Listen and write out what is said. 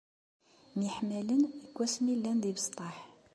Myeḥmalen seg wasmi llan d ibesṭaḥ